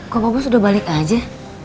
kok pak bos udah balik aja